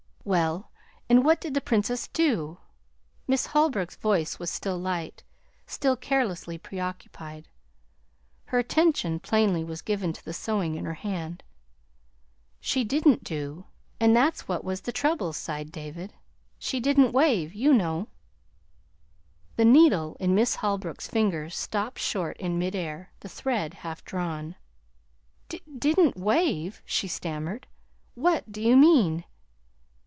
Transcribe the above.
"Well, and what did the Princess do?" Miss Holbrook's voice was still light, still carelessly preoccupied. Her attention, plainly, was given to the sewing in her hand. "She didn't do and that's what was the trouble," sighed I David. "She didn't wave, you know." The needle in Miss Holbrook's fingers stopped short in mid air, the thread half drawn. "Didn't wave!" she stammered. "What do you mean?"